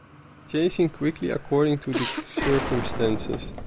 Changing quickly according to circumstances.